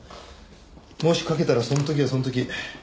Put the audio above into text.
もしかけたらその時はその時。